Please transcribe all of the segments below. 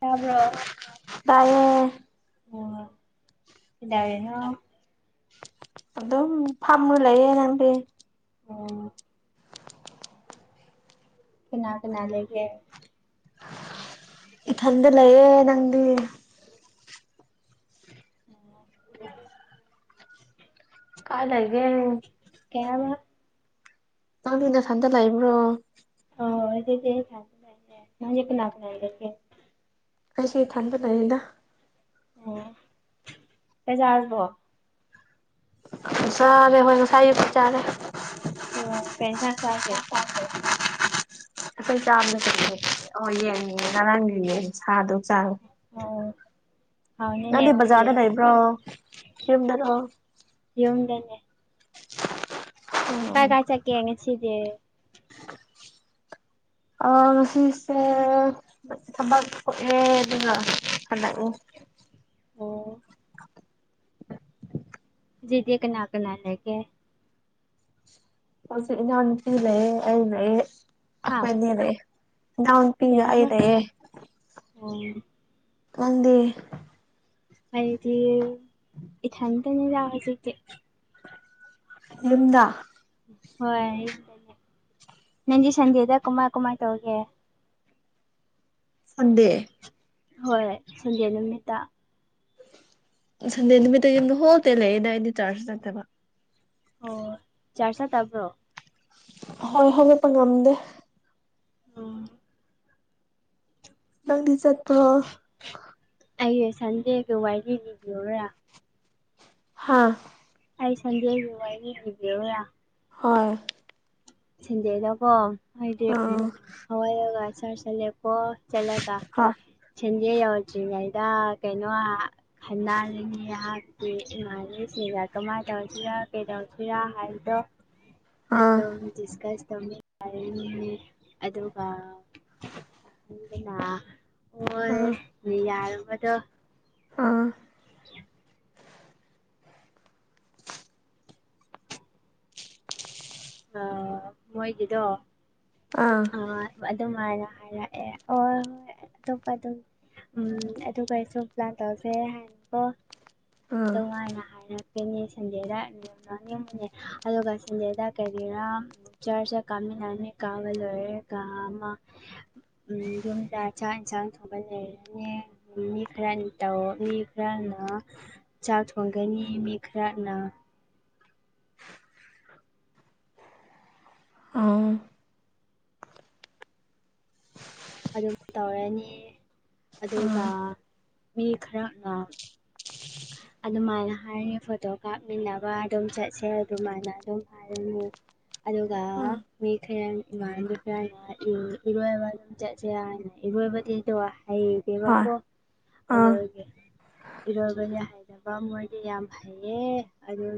ꯇꯥꯕ꯭ꯔꯣ ꯇꯥꯏꯌꯦ ꯋꯥ ꯇꯥꯏꯌꯦ ꯑꯗꯨꯝ ꯐꯝꯃꯒ ꯂꯩꯌꯦ ꯅꯪꯗꯤ ꯑꯣ ꯀꯅꯥ ꯀꯅꯥ ꯂꯩꯒꯦ ꯏꯊꯟꯇ ꯂꯩꯌꯦ ꯅꯪꯗꯤ ꯑꯣ ꯀꯥꯏ ꯂꯩꯒꯦ ꯀꯩ ꯍꯥꯏꯕ ꯅꯪꯗꯤ ꯅꯊꯟꯇ ꯂꯩꯕ꯭ꯔꯣ ꯑꯣ ꯍꯧꯖꯤꯛꯇꯤ ꯑꯩ ꯏꯊꯟꯇ ꯂꯩꯕꯅꯦ ꯅꯪꯗꯤ ꯀꯅꯥꯒ ꯂꯩꯔꯒꯦ ꯑꯩꯁꯨ ꯏꯊꯟꯇ ꯂꯩꯌꯦꯗ ꯂꯩꯌꯦ ꯀꯩ ꯆꯥꯔꯕꯣ ꯆꯥꯔꯦ ꯍꯣꯏ ꯉꯁꯥꯏ ꯑꯌꯨꯛꯀꯤ ꯆꯥꯔꯦ ꯑꯣ ꯀꯩ ꯏꯟꯁꯥꯡ ꯆꯥꯒꯦ ꯑꯩꯈꯣꯏ ꯆꯥꯕ ꯅꯠꯇꯦ ꯍꯦ ꯑꯣ ꯌꯦꯅꯒꯤ ꯉꯔꯥꯡꯒꯤꯅꯦ ꯁꯥꯗꯧ ꯆꯥꯔꯣ ꯑꯣ ꯍꯥꯎꯅꯤꯅꯦ ꯅꯪꯗꯤ ꯑꯗꯨꯗꯤ ꯕꯖꯥꯔꯗ ꯂꯩꯕ꯭ꯔꯣ ꯌꯨꯝꯗꯥꯔꯣ ꯌꯨꯝꯗꯅꯦ ꯀꯥꯏ ꯀꯥꯏ ꯆꯠꯀꯦ ꯉꯁꯤꯗꯤ ꯑꯣ ꯉꯁꯤꯁꯦ ꯊꯕꯛ ꯊꯣꯛꯑꯦ ꯑꯗꯨꯅ ꯍꯜꯂꯛꯑꯦ ꯍꯧꯖꯤꯛꯇꯤ ꯍꯧꯖꯤꯛꯇꯤ ꯀꯅꯥ ꯀꯅꯥ ꯂꯩꯒꯦ ꯍꯧꯖꯤꯛ ꯏꯅꯥꯎꯅꯨꯄꯤ ꯂꯩꯌꯦ ꯑꯩ ꯂꯩꯌꯦ ꯍꯥ ꯑꯩꯈꯣꯏ ꯑꯅꯤ ꯂꯩꯌꯦ ꯀꯩ ꯏꯅꯥꯎꯅꯨꯄꯤꯒ ꯑꯩ ꯍꯥꯏꯕ ꯂꯩꯌꯦ ꯑꯣ ꯅꯪꯗꯤ ꯑꯩꯗꯤ ꯏꯊꯟꯇꯅꯤꯗ ꯍꯧꯖꯤꯛꯇꯤ ꯌꯨꯝꯗ ꯍꯣꯏ ꯅꯪꯗꯤ ꯁꯟꯗꯦꯗ ꯀꯃꯥꯏ ꯀꯃꯥꯏ ꯇꯧꯒꯦ ꯁꯟꯗꯦ ꯍꯣꯏ ꯁꯟꯗꯦ ꯅꯨꯃꯤꯠꯇ ꯁꯟꯗꯦ ꯅꯨꯃꯤꯠꯇ ꯌꯨꯝꯗ ꯍꯣꯜ ꯗꯦ ꯂꯩꯌꯦꯗ ꯑꯩꯗꯤ ꯆꯥꯔ꯭ꯆꯁꯨ ꯆꯠꯇꯕ ꯑꯣ ꯆꯥꯔ꯭ꯁ ꯆꯠꯇꯕ꯭ꯔꯣ ꯍꯣꯏ ꯍꯧꯒꯠꯄ ꯉꯝꯗꯦ ꯎꯝ ꯅꯪꯗꯤ ꯆꯠꯄ꯭ꯔꯣ ꯑꯩ ꯁꯟꯗꯦꯒ ꯋꯥꯔꯤ ꯂꯤꯕꯤꯌꯣꯔꯥ [unintelligible] ꯍꯥꯥ ꯑꯩ ꯁꯟꯗꯦꯒꯤ ꯋꯥꯔꯤ ꯂꯤꯕꯤꯌꯨꯔꯥ ꯍꯣꯏ ꯁꯦꯟꯗꯦꯗꯀꯣ ꯑꯩꯗꯤ ꯑꯥ ꯍꯧꯒꯠꯂꯒ ꯆꯥꯔ꯭ꯁ ꯆꯠꯂꯦꯀꯣ ꯆꯠꯂꯒ ꯍꯥ ꯁꯦꯟꯗꯦ ꯌꯧꯗ꯭ꯔꯤꯉꯩꯗ ꯀꯩꯅꯣ ꯈꯟꯅꯔꯤ ꯑꯩꯍꯥꯛꯀꯤ ꯏꯃꯥꯟꯅꯁꯤꯡꯒ ꯀꯃꯥꯏꯅ ꯇꯧꯁꯤꯔꯥ ꯀꯩꯗꯧꯁꯤꯔꯥ ꯍꯥꯏꯕꯗꯣ [unintelligible] ꯑꯗꯨꯗꯣ ꯗꯤꯀꯁ ꯇꯧꯅꯤ ꯑꯗꯒꯤꯗꯤ ꯑꯗꯨꯒ ꯑꯗꯨꯅ ꯑꯣ ꯑꯥ ꯌꯥꯔꯕꯗꯣ [unintelligible] ꯑꯥ [inaudible] ꯑꯥ ꯃꯣꯏꯒꯤꯗꯣ ꯑꯥ ꯑꯥ ꯑꯗꯨꯝꯃꯥꯏꯅ ꯍꯥꯏꯔꯛꯑꯦ ꯑꯣ ꯑꯇꯣꯞꯄ ꯑꯗꯨꯝ ꯎꯝ ꯑꯗꯨꯒ ꯑꯩꯁꯨ ꯄ꯭ꯂꯥꯟ ꯇꯧꯁꯦ ꯍꯥꯏꯌꯨꯀꯣ ꯑꯗꯨꯃꯥꯏꯅ ꯍꯥꯏꯔꯛꯀꯅꯤ ꯁꯟꯗꯦꯌꯗ ꯑꯗꯨꯒ ꯁꯟꯗꯦꯌꯗ ꯀꯔꯤꯔ ꯆꯨꯔꯆ ꯀꯥꯃꯤꯟ ꯅꯒꯅꯤ ꯀꯥꯕ ꯂꯣꯏꯔꯒ ꯃ ꯎꯝ ꯌꯨꯝꯗꯥ ꯆꯥꯛ ꯏꯟꯁꯥꯡ ꯊꯣꯡꯉꯥ ꯂꯩꯔꯦꯅꯦ ꯅꯨꯃꯤꯠ ꯈꯔꯅꯤ ꯇꯧꯔꯛꯅꯤ ꯈꯔꯅ ꯆꯥꯛ ꯊꯣꯡꯒꯅꯤ ꯃꯤ ꯈꯔꯅ ꯎꯝ ꯑꯗꯨꯝ ꯇꯧꯔꯅꯤ ꯑꯗꯨꯒ ꯃꯤ ꯈꯔꯅ ꯑꯗꯨꯃꯥꯏꯅ ꯍꯥꯏꯔꯦ ꯐꯣꯇꯣ ꯀꯥꯞꯃꯤꯟꯅꯕ ꯑꯗꯨꯝ ꯆꯠꯁꯦ ꯑꯗꯨꯃꯥꯏꯅ ꯑꯗꯨꯝ ꯑ [unintelligible] ꯑꯗꯨꯒ ꯃꯤ ꯈꯔꯅ ꯏꯃꯥꯟꯅꯕꯤ ꯈꯔꯅ ꯏꯔꯣꯏꯕ ꯆꯠꯁꯦ ꯍꯥꯏꯅ ꯏꯔꯣꯏꯕꯗꯤꯀꯣ ꯍꯩꯇꯦꯕꯀꯣ ꯑꯥ ꯑꯗꯨꯒꯤ ꯏꯔꯣꯏꯕꯗꯤ ꯍꯩꯇꯦꯀꯣ ꯃꯣꯏꯗꯤ ꯌꯥꯝ ꯐꯩꯌꯦ ꯑꯗꯨ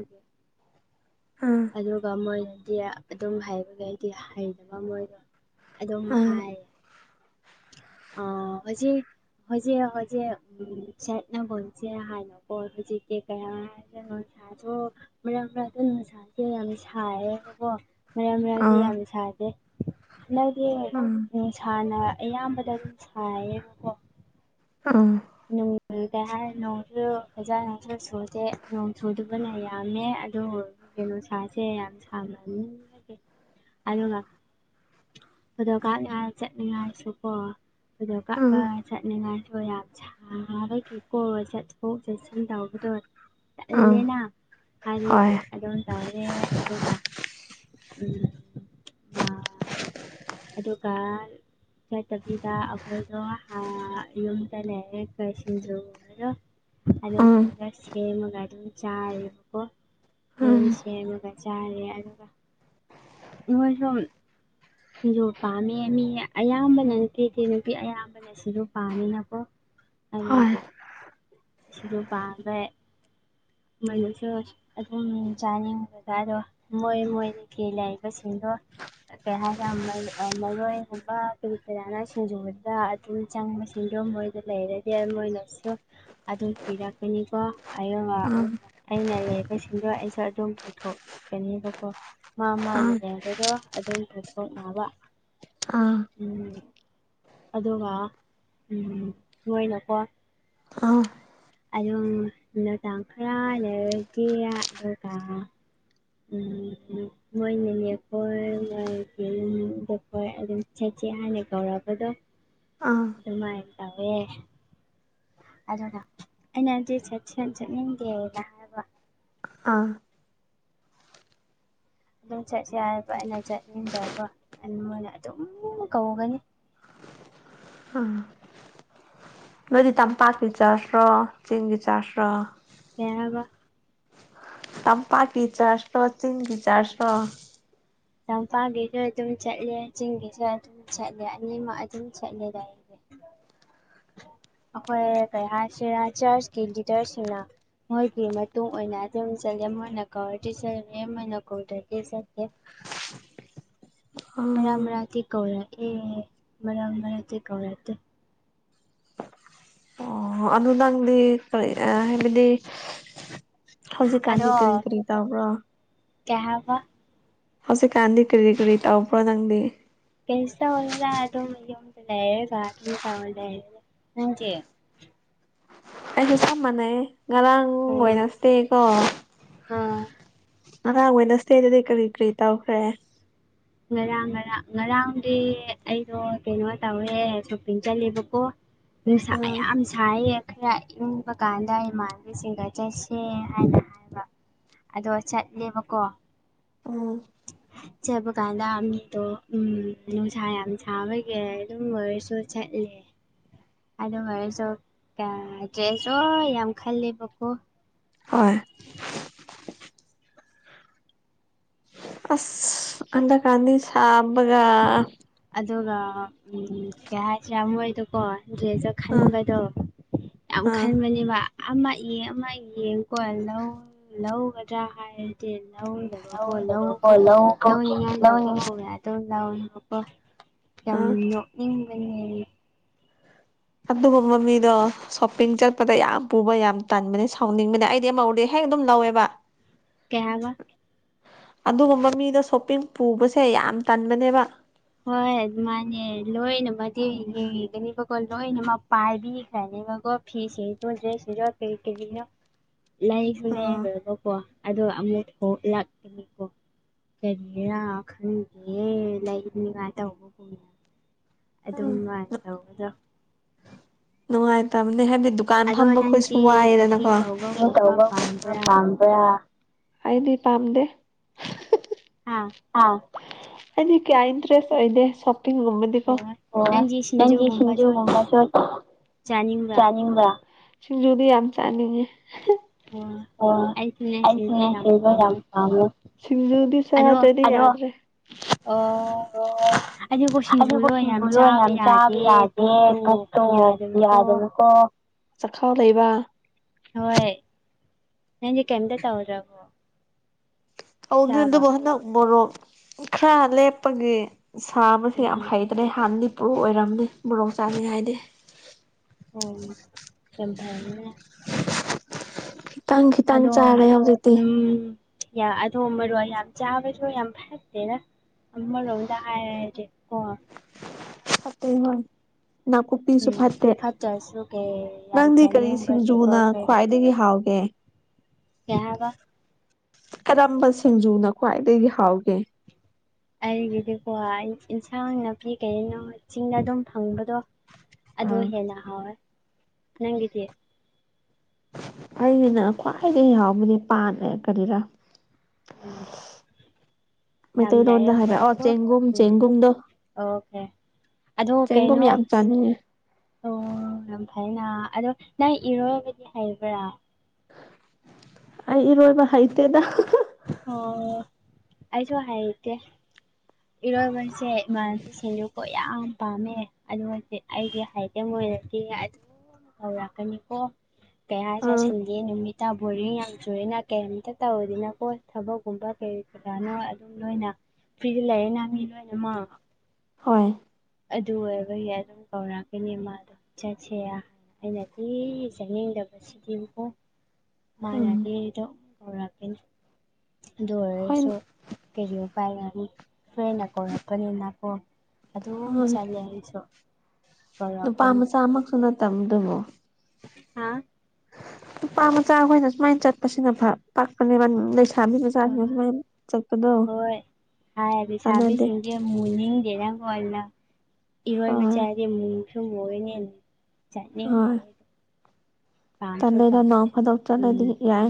ꯑꯥ ꯑꯗꯨꯒ ꯃꯣꯏꯅꯗꯤ ꯑꯗꯨꯝ ꯍꯩꯕꯒꯤ ꯑꯩꯗꯤ ꯍꯩꯇꯕ ꯃꯣꯏꯒ ꯑꯗꯨꯝ ꯍꯥꯏ ꯍꯧꯖꯤꯛ ꯍꯧꯖꯤꯛ ꯍꯧꯖꯤꯛ ꯁꯦꯠꯅꯕꯣꯟꯁꯦꯔ ꯍꯥꯏꯕꯀꯣ ꯍꯧꯖꯤꯛꯇꯤ ꯀꯌꯥ ꯅꯨꯡꯁꯥꯁꯨ ꯃꯔꯛ ꯃꯔꯛ ꯗꯨꯝ ꯁꯥꯏꯌꯦ [unintelligible] ꯌꯥꯝ ꯁꯥꯏꯌꯦꯕꯀꯣ ꯃꯔꯛ ꯑꯥ ꯃꯔꯛꯗꯤ ꯑꯥ ꯌꯥꯝꯅ ꯁꯥꯗꯦ ꯍꯟꯗꯛꯇꯗꯤ ꯎꯝ ꯅꯨꯡꯁꯥꯅ ꯑꯌꯥꯝꯕꯗ ꯑꯗꯨꯝ ꯁꯥꯏꯌꯦꯕꯀꯣ ꯎꯝ ꯅꯣꯡ ꯀꯩ ꯍꯥꯏꯔꯤꯅꯣ ꯅꯣꯡꯁꯨ ꯐꯖꯥꯅꯁꯨ ꯆꯨꯗꯦ ꯅꯣꯡ ꯆꯨꯗꯕꯅ ꯌꯥꯝꯃꯦ ꯑꯗꯨ ꯅꯣꯡꯁꯥꯁꯦ ꯌꯥꯝ ꯁꯥꯡꯕꯅꯤ ꯑꯗꯨꯒ ꯐꯣꯇꯣ ꯀꯥꯞꯅꯤꯉꯥꯏ ꯆꯠꯅꯤꯉꯥꯏꯁꯨꯀꯣ ꯐꯣꯇꯣ ꯎꯝ ꯀꯥꯞꯄ ꯆꯠꯅꯤꯉꯥꯏꯁꯨ ꯌꯥꯝ ꯕꯔꯃꯗꯒꯤꯀꯣ ꯆꯠꯊꯣꯛ ꯆꯠꯁꯤꯟ ꯇꯧꯕꯗꯨ ꯎꯝ ꯑꯂꯦꯅꯥ [unintelligible] ꯍꯣꯏ ꯒꯤ ꯑꯗꯨꯝ ꯇꯧꯔꯦ ꯑꯗꯨꯒ ꯎꯝ ꯑꯗꯨꯀꯟ ꯆꯠꯇꯕꯤꯗ ꯑꯈꯣꯏꯗꯣ ꯑ ꯌꯨꯝꯗ ꯂꯩꯔꯒ ꯁꯤꯡꯖꯨ ꯑꯗꯣ ꯎꯝ [unintelligible] ꯁꯦꯝꯃꯒ ꯑꯗꯨꯝ ꯆꯥꯔꯦꯕꯀꯣ ꯎꯝ [unintelligible] ꯁꯦꯝꯃꯒ ꯆꯥꯔꯦ ꯑꯗꯨꯒ ꯃꯣꯏꯁꯣꯝ ꯁꯤꯡꯖꯨ ꯄꯥꯝꯃꯦ ꯃꯤ ꯑꯌꯥꯝꯕꯅ [unintelligible] ꯅꯨꯄꯤ ꯑꯌꯥꯝꯕꯅ ꯩꯅ ꯁꯤꯁꯨ ꯄꯥꯝꯃꯤꯅꯀꯣ ꯍꯣꯏ ꯑꯗꯨꯒꯤ ꯁꯤꯁꯨ ꯄꯝꯃꯦ ꯃꯣꯏꯁꯨ ꯑꯗꯨꯝ ꯆꯥꯅꯤꯡꯕꯗ ꯑꯗꯣ ꯃꯣꯏ ꯃꯣꯏ ꯀꯤ ꯂꯩꯕꯁꯤꯡꯗꯣ ꯀꯩ ꯍꯥꯏꯔꯦ ꯃꯔꯣꯏꯒꯨꯝꯕ ꯀꯔꯤ ꯀꯌꯥꯅ ꯁꯤꯡꯖꯨꯗ ꯑꯗꯨꯝ ꯆꯪꯕꯁꯤꯡꯗꯣ ꯃꯣꯏꯗ ꯂꯩꯔꯗꯤ ꯃꯣꯏꯅꯁꯨ ꯑꯗꯨꯝ ꯄꯤꯔꯛꯀꯅꯤꯀꯣ ꯑꯗꯨꯒ ꯎꯝ ꯑꯩꯅ ꯂꯩꯕꯁꯤꯡꯗꯣ ꯑꯩꯁꯨ ꯑꯗꯨꯝ ꯄꯨꯊꯣꯛꯀꯅꯤꯕꯀꯣ ꯃꯥ ꯑꯥ ꯃꯥꯅ ꯂꯩ ꯕꯀꯣ ꯑꯗꯨꯝ ꯄꯨꯊꯣꯛꯅꯕ ꯑꯥ ꯎꯝ ꯑꯗꯨꯒ ꯎꯝ ꯃꯣꯏꯅꯀꯣ ꯑꯥ [unintelligible] ꯎꯝ ꯎꯝ ꯃꯣꯏ ꯅꯦꯅꯦ ꯑꯩꯈꯣꯏꯣꯏ ꯑꯗꯨꯝ ꯁꯠ ꯁꯦꯠ ꯍꯥꯟꯅ ꯀꯧꯔꯕꯗꯣ ꯑꯥ ꯑꯗꯨꯃꯥꯏꯅ ꯇꯧꯋꯦ ꯑꯗꯨꯒ ꯑꯩꯅ ꯍꯥꯏꯕꯗꯤ ꯆꯠ ꯆꯠ ꯆꯠꯅꯤꯡ ꯗꯦꯅ ꯑꯥ ꯑꯗꯨꯝ ꯆꯠꯁꯦ ꯍꯥꯏꯕ ꯑꯩꯅ ꯆꯠꯅꯤꯡꯗꯕ ꯑꯗꯨꯅ ꯑꯗꯨꯝ ꯀꯧꯒꯅꯤ ꯑꯥ ꯅꯣꯏꯗꯤ ꯇꯝꯄꯥꯛꯀꯤ ꯆꯥꯔꯁ꯭ꯔꯣ ꯆꯦꯡꯒꯤ ꯆꯥꯔꯁꯔꯣ ꯀꯩꯍꯥꯏꯕ ꯇꯝꯄꯥꯛꯀꯤ ꯆꯥꯔꯖꯂꯤ ꯆꯤꯡꯒꯤ ꯆꯥꯔꯖꯂꯣ ꯆꯝꯄꯥꯛꯒꯤꯁꯨ ꯑꯗꯨꯝ ꯆꯠꯂꯦ ꯆꯤꯡꯒꯤꯁꯨ ꯑꯗꯨꯝ ꯆꯠꯂꯦ ꯑꯅꯤꯃꯛ ꯑꯗꯨꯝ ꯆꯠꯂꯦꯗ [unintelligible] ꯑꯩꯈꯣꯏ ꯀꯩ ꯍꯥꯏꯁꯤꯔ ꯆꯔꯆꯀꯤ ꯂꯤꯗꯔꯁꯤꯡꯅ ꯃꯣꯏꯒꯤ ꯃꯇꯨꯡꯟ ꯑꯣꯏꯅ ꯑꯗꯨꯝ ꯆꯠꯂꯦ ꯃꯣꯏ ꯅꯥꯀꯧꯗꯤ ꯆꯠꯂꯦ ꯃꯣꯏ ꯅꯥꯀꯧꯗꯗꯤ ꯆꯠꯇꯦ ꯃꯔꯛ ꯎꯝ ꯃꯔꯛꯇꯤ ꯀꯧꯔ ꯑꯦ ꯃꯔꯥꯡ ꯃꯔꯥꯇꯤ ꯀꯧꯇꯦ ꯑꯣ ꯑꯗꯨ ꯅꯪꯗꯤ ꯀꯔꯤ ꯍꯥꯏꯕꯗꯤ ꯍꯧꯖꯤꯛꯀꯥꯟꯒꯤ ꯀꯔꯤ ꯀꯔꯤ ꯇꯧꯕ꯭ꯔꯣ ꯀꯩꯍꯥꯏꯕ ꯍꯧꯖꯤꯛ ꯀꯥꯟꯗꯤ ꯀꯔꯤ ꯀꯔꯤ ꯇꯧꯕꯔꯣ ꯅꯪꯗꯤ ꯀꯩꯁꯥ ꯇꯧꯗꯦꯗ ꯑꯗꯨ ꯌꯨꯝꯗ ꯂꯩꯔꯦ ꯅꯪꯗꯤ ꯑꯩꯁꯨ ꯀꯝ ꯃꯅꯩꯌꯦ ꯉꯔꯥꯡ ꯎꯝ ꯋꯦꯅꯁꯗꯦ ꯀꯣ ꯑꯥ ꯑꯉꯥꯡ ꯑꯣꯏꯅ ꯁꯦꯗꯗꯤ ꯀꯔꯤ ꯀꯔꯤ ꯇꯧꯈ꯭ꯔꯦ ꯉꯔꯥꯡ ꯉꯔꯥꯡ ꯉꯔꯥꯡꯗꯤ ꯑꯩꯗꯣ ꯀꯩꯅꯣ ꯇꯧꯔꯦ ꯁꯣꯄꯤꯡ ꯆꯠꯂꯦꯕꯀꯣ ꯅꯨꯡꯁꯥ ꯑꯥ ꯌꯥꯝ ꯁꯥꯏꯌꯦ ꯈꯔ ꯏꯪꯕ ꯀꯥꯟꯗ ꯏꯃꯥꯟꯅꯕꯤꯁꯤꯡꯒ ꯆꯠꯁꯦ ꯍꯥꯏꯅ ꯍꯥꯏꯕ ꯑꯗꯣ ꯆꯠꯂꯦꯕꯀꯣ ꯎꯝ ꯆꯠꯄ ꯀꯥꯟꯗ ꯃꯤꯗꯣ ꯎꯝ ꯅꯨꯡꯁꯥ ꯌꯥꯝ ꯁꯥꯕꯒꯤ ꯑꯗꯨꯝ ꯑꯣꯏꯔꯁꯨ ꯆꯠꯂꯦ [inaudible] ꯑꯗꯨꯒ ꯑꯩꯁꯨ ꯌꯥꯝ ꯈꯜꯂꯦꯕꯀꯣ ꯍꯣꯏ ꯑꯁ ꯍꯟꯗꯛ ꯀꯥꯟꯗꯤ ꯁꯥꯕꯒ ꯑꯗꯨꯒ ꯎꯝ ꯀꯩꯍꯥꯏꯁꯤꯔ ꯃꯣꯏꯗꯣꯀꯣ ꯗ꯭ꯔꯦꯁꯇꯣ ꯑꯥ ꯈꯟꯕꯗꯣ ꯌꯥꯝ ꯑꯥ ꯈꯟꯕꯅꯦꯕ ꯑꯃ ꯌꯦ ꯑꯃ ꯌꯦꯡ ꯀꯣ ꯂꯧ ꯂꯧꯒꯗ꯭ꯔꯥ ꯍꯥꯏꯔꯗꯤ ꯂꯧꯗꯕ ꯑꯣ ꯂꯧꯕꯒꯤ ꯂꯧꯅꯤꯡꯉꯥꯏ ꯂꯧꯕ ꯄꯨ ꯂꯧꯌꯦꯕꯀꯣ ꯌꯥꯝ ꯑꯥ ꯅꯣꯛꯅꯤꯡꯕꯅꯦ ꯑꯗꯨꯒꯨꯝꯕ ꯃꯤꯗꯣ ꯁꯣꯞꯄꯤꯡ ꯆꯠꯄꯗ ꯌꯥꯝ ꯄꯨꯕ ꯌꯥꯝ ꯇꯟꯕꯅꯦ ꯁꯥꯎꯅꯤꯡꯕꯅꯦ ꯑꯩꯗꯤ ꯑꯃ ꯎꯔꯗꯤ ꯍꯦꯛ ꯑꯗꯨꯝ ꯂꯧꯋꯦꯕ ꯀꯩ ꯍꯥꯏꯕ ꯑꯗꯨꯒꯨꯝꯕ ꯃꯤꯗꯣ ꯁꯣꯞꯄꯤꯡ ꯄꯨꯕꯁꯦ ꯌꯥꯝ ꯇꯟꯕꯅꯦꯕ ꯍꯣꯏ ꯑꯗꯨꯃꯥꯏꯅꯦ ꯂꯣꯏꯅꯃꯗꯤ ꯌꯦꯡꯒꯅꯦꯕꯀꯣ ꯂꯣꯏꯅꯃꯛ ꯄꯥꯏꯕꯤꯈ꯭ꯔꯅꯦꯕꯀꯣ ꯐꯤꯁꯦ ꯗ꯭ꯔꯦ ꯀꯔꯤ ꯀꯔꯤꯅꯣ [inaudible] ꯂꯩ [unintelligible] ꯑꯥ ꯂꯣꯏꯕꯀꯣ ꯑꯗꯣ ꯑꯃꯨꯛ ꯊꯣꯛꯂꯛꯀꯅꯤꯀꯣ ꯀꯔꯤꯔꯥ ꯈꯪꯗꯤꯌꯦ ꯂꯩ [unintelligible] ꯑꯗꯨꯝ ꯅꯨꯡꯉꯥꯏꯅ ꯇꯧꯕꯗꯣ ꯅꯨꯡꯉꯥꯏꯇꯝꯅꯦ ꯍꯥꯏꯕꯗꯤ ꯗꯨꯀꯥꯟ ꯑꯗꯣ ꯐꯝꯕꯈꯣꯏꯁꯨ ꯅꯪꯗꯤ ꯋꯥꯏꯑꯦꯗꯅꯀꯣ ꯁꯣꯞꯄꯤꯡ ꯇꯧꯕꯒꯨꯝꯕ ꯄꯥꯝꯕ꯭ꯔꯥ [unintelligible] ꯀꯌꯥ ꯑꯩꯗꯤ ꯄꯥꯝꯗꯦ ꯍꯥꯥ ꯍꯥ ꯑꯩꯗꯤ ꯀꯌꯥ ꯏꯟꯇꯔꯦꯁ ꯂꯩꯇꯦ ꯁꯣꯄꯤꯡꯒꯨꯝꯕ ꯗꯤꯀꯣ ꯑꯣ ꯑꯣ ꯅꯪꯗꯤ ꯁꯤꯡꯖꯨꯒꯨꯝꯕꯁꯨ ꯆꯥꯅꯤꯡꯕ꯭ꯔꯥ ꯆꯥꯅꯤꯡꯕꯔꯥ ꯁꯤꯡꯖꯨꯗꯤ ꯌꯥꯝ ꯆꯥꯅꯤꯡꯉꯦ ꯑꯣ ꯍꯣꯏ ꯑꯩꯁꯨꯅꯦ ꯁꯤꯡꯖꯨ ꯌꯥꯝ ꯄꯝꯃꯦ ꯁꯤꯡꯖꯨꯗꯤ ꯑꯗꯣ ꯆꯥꯗꯣꯏꯅꯦ ꯑꯗꯣ ꯑꯣ [unintelligible] ꯑꯗꯨꯕꯨ ꯁꯤꯡꯖꯨ ꯗꯣ ꯌꯥꯝ ꯆꯥꯕ ꯌꯥꯗꯦ ꯄꯨꯛꯇꯣ ꯌꯥꯗꯕꯀꯣ ꯆꯈꯥꯎ ꯂꯩꯕ ꯍꯣꯏ ꯅꯪꯗꯤ ꯀꯌꯦꯝꯇ ꯇꯧꯗ꯭ꯔꯕꯣ ꯇꯧꯗꯦꯗ ꯆꯥꯕ ꯑꯗꯨꯕꯨ ꯍꯟꯗꯛ ꯃꯣꯔꯣꯛ ꯈꯔ ꯂꯦꯞꯄꯒꯤ ꯁꯥꯕꯒꯤ ꯌꯥꯝ ꯑꯣ ꯍꯩꯇ꯭ꯔꯦ ꯍꯥꯟꯅꯗꯤ ꯄ꯭ꯔꯣ ꯑꯣꯏꯔꯝꯕꯅꯤ ꯃꯣꯔꯣꯛ ꯆꯥꯅꯤꯡꯉꯥꯏꯗꯤ ꯎꯝ ꯌꯥꯝ ꯐꯩꯌꯦ‌ꯅꯦ ꯈꯤꯇꯪ ꯈꯤꯇꯪ ꯆꯥꯔꯦ ꯑꯗꯣ ꯍꯧꯖꯤꯛꯇꯤ ꯎꯝ ꯌꯥ ꯑꯗꯣ ꯃꯔꯣꯛ ꯌꯥꯝ ꯆꯥꯕꯁꯨ ꯌꯥꯝ ꯐꯠꯇꯦꯗ ꯑꯃꯔꯣꯝꯗ ꯍꯥꯏꯔꯗꯤ ꯀꯣ ꯐꯠꯇꯦ ꯍꯣꯏ ꯅꯥꯀꯨꯞꯄꯤꯁꯨ ꯎꯝ ꯐꯠꯇꯦ ꯐꯠꯇ꯭ꯔꯁꯨ ꯀꯩ ꯌꯥꯝ ꯅꯪꯗꯤ ꯀꯔꯤ ꯆꯥꯅꯤꯡꯕꯒꯤꯀꯣ ꯁꯤꯡꯖꯨꯅ ꯑꯩꯈꯣꯏꯒꯗꯤ ꯈ꯭ꯋꯥꯏꯗꯒꯤ ꯍꯥꯎꯒꯦ ꯀꯩ ꯍꯥꯏꯕ ꯀꯔꯝꯕ ꯁꯤꯡꯖꯨꯅ ꯈ꯭ꯋꯥꯏꯗꯒꯤ ꯍꯥꯎꯒꯦ ꯑꯩꯒꯤꯗꯤꯀꯣ ꯏꯟ ꯏꯟꯁꯥꯡ ꯅꯥꯄꯤ ꯀꯩꯅꯣ ꯆꯤꯡꯗ ꯑꯗꯨꯝ ꯐꯪꯕꯗꯣ ꯑꯗꯣ ꯑꯥ ꯍꯦꯟꯅ ꯍꯥꯎꯋꯦ ꯅꯪꯒꯤꯗꯤ ꯑꯩꯅ ꯈ꯭ꯋꯥꯏꯗꯒꯤ ꯍꯥꯎꯕꯗꯤ ꯄꯥꯟꯅꯦ ꯀꯔꯤꯔꯥ ꯎꯝ ꯌꯥꯝ ꯃꯩꯇꯩꯂꯣꯟꯗ [unintelligible] ꯍꯥꯏꯕ ꯑꯣ ꯆꯦꯡꯒꯨꯝ ꯎꯝ ꯆꯦꯡꯒꯨꯝꯗꯣ ꯑꯣꯀꯦ ꯑꯗꯣ ꯆꯦꯡꯒꯨꯝ ꯀꯩꯅꯣ ꯌꯥꯝ ꯆꯥꯅꯤꯡꯉꯦ ꯑꯣ ꯌꯥꯝ ꯐꯥꯏꯅ ꯑꯗꯣ ꯅꯪ ꯏꯔꯣꯏꯕꯗꯤ ꯍꯩꯕ꯭ꯔꯥ ꯑꯩ ꯏꯔꯣꯏꯕ ꯍꯩꯇꯦꯗ ꯑꯣ ꯑꯩꯁꯨ ꯍꯩꯇꯦ ꯏꯔꯣꯏꯕꯁꯦ ꯏꯃꯥꯟꯅꯕꯤꯁꯤꯡꯖꯨꯀꯣ ꯌꯥꯝ ꯄꯥꯝꯃꯦ ꯑꯗꯨꯃꯛꯇꯤ ꯑꯩꯗꯤ ꯍꯥꯏꯖꯝ ꯑꯣꯏꯔꯗꯤ ꯑꯗꯨꯝ ꯀꯧꯔꯛꯀꯅꯤꯀꯣ ꯀꯩ ꯍꯥꯏꯁꯤꯔ ꯑꯥ ꯁꯟꯗꯦ ꯅꯨꯃꯤꯠ ꯇꯥ ꯕꯣꯔꯤꯡ ꯌꯥꯝ ꯆꯨꯔꯦꯅ ꯀꯩꯝꯇ ꯇꯧꯔꯗꯅꯀꯣ ꯊꯕꯛꯀꯨꯝꯕ ꯀꯔꯤ ꯀꯔꯥꯅꯣ ꯑꯗꯨꯝ ꯂꯣꯏꯅ ꯇꯤ ꯂꯩꯌꯦꯅ ꯃꯤ ꯂꯣꯏꯅꯃꯛ ꯍꯣꯏ ꯑꯗꯨ ꯑꯣꯏꯕꯩ ꯌꯥꯏꯗꯨꯝ ꯀꯧꯔꯛꯀꯅꯤ ꯃꯥꯗꯣ ꯆꯠꯁꯤꯔ ꯑꯩꯅꯗꯤ ꯆꯠꯅꯤꯡꯗꯕꯁꯤꯗꯤꯕꯀꯣ ꯎꯝ ꯃꯥꯥꯅꯗꯤ ꯗꯨꯝ ꯀꯧꯔꯛꯀꯅꯤ ꯑꯗꯨ ꯍꯣꯏ ꯑꯣꯏꯔꯁꯨ ꯀꯔꯤ ꯎꯄꯥꯏꯔꯅꯤ ꯐ꯭ꯔꯦꯟꯅ ꯀꯧꯔꯛꯄꯅꯤꯅꯀꯣ ꯑꯗꯨꯝ ꯆꯠꯂꯦ ꯑꯩꯁꯨ ꯅꯨꯄꯥ ꯀꯧꯔꯛꯄꯅꯤ ꯃꯆꯥ ꯑꯥꯃꯈꯛꯅ ꯇꯝꯗꯨꯕꯨ ꯍꯥꯥ ꯅꯨꯄꯥ ꯃꯆꯥꯈꯣꯏꯅ ꯁꯨꯃꯥꯏꯅ ꯆꯠꯄꯁꯤꯅ ꯐꯥ ꯄꯥꯛꯄꯅꯦꯕ ꯂꯩꯁꯥꯕꯤ ꯃꯆꯥꯁꯤꯡꯅ ꯁꯨꯃꯥꯏꯅ ꯆꯠ_ _ ꯍꯣꯏ ꯍꯥꯏꯔ ꯂꯩꯁꯥꯕꯤꯁꯤꯡꯁꯦ ꯃꯨꯅꯤꯡꯗꯦ ꯑꯣꯏ ꯂ_ _ ꯏꯔꯣꯏꯕ ꯍꯣꯏ ꯆꯠꯂꯗꯤ ꯃꯨꯁꯨ ꯃꯨꯏꯌꯦꯅꯦ ꯆꯠꯅꯤꯡꯗꯦ ꯍꯣꯏ ꯄꯥꯝꯁꯨ ꯇꯜꯂꯦꯗ ꯅꯣꯡ ꯄꯥꯝꯗꯦ ꯐꯥꯗꯣꯛ ꯆꯠꯂꯗꯤ ꯎꯝ ꯌꯥꯏ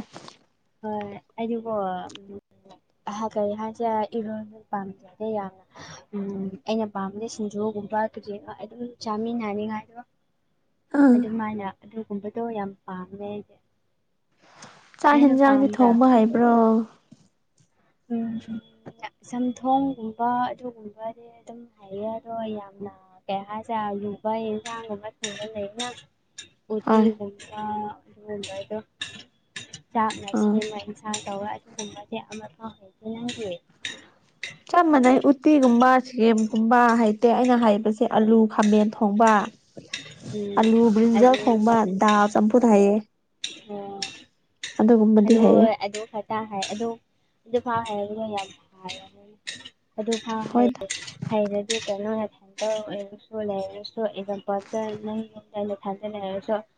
ꯍꯣꯏ ꯑꯩꯗꯤꯀꯣ_ ꯑꯍ ꯀꯔꯤ ꯍꯥꯏꯁꯤꯔ ꯏꯔꯣꯟꯕ ꯄꯥꯝꯖꯗꯦ ꯌꯥꯝꯅ ꯎꯝ ꯑꯩꯅ ꯄꯥꯝꯕꯗꯤ ꯁꯤꯡꯖꯨꯒꯨꯝꯕ ꯀ꯭ꯔꯤ ꯑꯗꯨꯝ ꯆꯥꯃꯤꯟꯅꯅꯤꯡꯉꯥꯏꯗꯣ ꯑꯥ ꯑꯗꯨꯃꯥꯏꯅ ꯑꯗꯨꯒꯨꯝꯕꯗꯣ ꯌꯥꯝ ꯄꯥꯝꯃꯦ ꯑꯩꯗꯤ ꯆꯥꯛ ꯅꯪꯁꯨ ꯍꯦꯟꯖꯥꯡꯗꯤ ꯄꯥꯝꯕ꯭ꯔꯥ ꯊꯣꯡꯕ ꯍꯩꯕ꯭ꯔꯣ ꯨꯎꯝ ꯆꯝꯊꯣꯡꯒꯨꯝꯕ ꯑꯗꯨꯒꯨꯝꯕꯗꯤ ꯑꯗꯨꯝ_ _ ꯍꯩꯌꯦ ꯑꯗꯣ ꯌꯥꯝꯅ ꯀꯩ ꯍꯥꯏꯁꯤꯔ ꯂꯨꯕ ꯏꯟ ꯖꯥꯡꯒꯨꯝꯕ ꯊꯣꯡꯕ ꯂꯩꯌꯦꯅ ꯍꯣꯏ ꯎꯇꯤꯒꯨꯝꯕ ꯑꯗꯨꯒꯨꯝꯕꯩꯗꯨ ꯆꯥꯛꯅ ꯑꯥ ꯁꯦꯝꯃ ꯏꯟꯁꯥꯡ ꯇꯧꯔ ꯑꯗꯨꯒꯨꯝꯕꯗꯤ ꯑꯃꯐꯥꯎ ꯍꯩꯇꯦ ꯅꯪꯗꯤ ꯆꯞ ꯃꯥꯟꯅꯩ ꯎꯠꯇꯤꯒꯨꯝꯕ ꯁꯦꯝꯒꯨꯝꯕ ꯍꯩꯇꯦ ꯑꯩꯅ ꯍꯩꯕꯁꯦ ꯑꯂꯨ ꯈꯥꯃꯦꯟ ꯊꯣꯡꯕ_ _ ꯎꯝ ꯑꯂꯨ ꯕ꯭ꯔꯤꯟꯖꯜ ꯑꯗꯨ ꯊꯣꯡꯕ ꯗꯥꯜ ꯆꯝꯐꯨꯠ ꯍꯩꯌꯦ ꯑꯣ [unintelligible] ꯑꯗꯨꯒꯨꯝꯕꯗꯤ ꯍꯩꯌꯦ ꯑꯗꯨꯐꯥꯎ ꯍꯩ ꯍꯣꯏꯗ ꯍꯩꯔꯗꯤ ꯀꯩꯅꯣ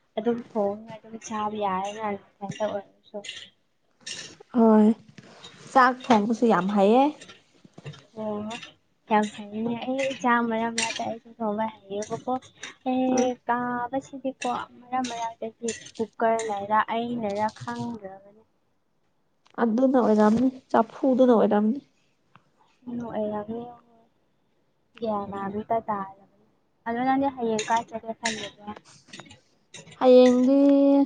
ꯍꯦ [unintelligible] ꯑꯗꯨꯝ ꯊꯣꯡꯉꯒ ꯑꯗꯨꯝ ꯆꯥꯕ ꯌꯥꯔꯦꯅ ꯅꯊꯟꯇ ꯑꯣꯏꯔꯁꯨ ꯍꯣꯏ ꯆꯥꯛ ꯊꯣꯡꯕꯁꯨ ꯌꯥꯝ ꯍꯩꯌꯦ ꯑꯣ ꯌꯥꯝ ꯐꯩꯌꯦꯅꯦ ꯑꯩ [unintelligible] ꯊꯣꯡꯕ ꯍꯩꯌꯦꯕꯀꯣ ꯎꯝ ꯑꯩ ꯀꯕꯥ ꯁꯤꯗꯤ ꯀꯣ ꯃꯔꯛ ꯃꯔꯛꯇꯗꯤ ꯀꯨꯀꯔ ꯂꯩꯔ ꯑꯩꯅꯔ ꯈꯪꯗ꯭ꯔꯥꯕꯅꯤ ꯑꯗꯨꯅ ꯑꯣꯏꯔꯝꯅꯤ ꯆꯐꯨꯗꯨꯅ ꯑꯣꯏꯔꯝꯅꯤ [unintelligible] ꯒ꯭ꯌꯥꯟ ꯃꯥꯟꯕꯨ ꯏꯇ ꯑꯗꯣ ꯅꯪꯗꯤ ꯍꯌꯦꯡ ꯀꯥꯏ ꯆꯠꯀꯦ ꯈꯜꯂꯤꯅꯣ ꯍꯌꯦꯡꯗꯤ_ _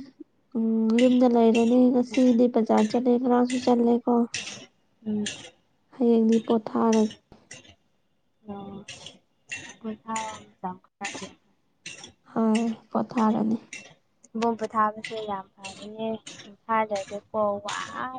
ꯎꯝ ꯌꯨꯝꯗ ꯂꯩꯔꯅꯤ ꯉꯁꯤꯗꯤ ꯕꯖꯥꯔ ꯆꯠꯂꯦ ꯉꯔꯥꯡꯁꯨ ꯆꯠꯂꯦ ꯀꯣ ꯎꯝ ꯍꯌꯦꯡꯗꯤ ꯄꯣꯊꯥꯔꯒꯦ ꯎꯝ [unintelligible] ꯄꯣꯊꯔꯥꯅꯤ [unintelligible]